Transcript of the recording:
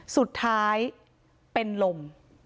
สุดท้ายเป็นลม